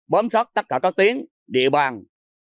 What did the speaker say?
bấm sót tất cả các tiến địa bàn